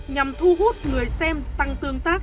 nhằm thu hút người xem tăng tương tác